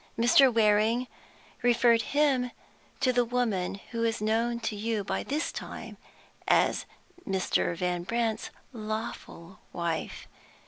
Mr. Waring referred him to the woman who is known to you by this time as Mr. Van Brandt's lawful wife.